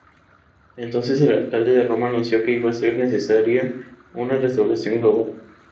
Entonces el alcalde de Roma anunció que iba a ser necesaria una restauración global.